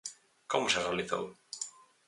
Como se realizou?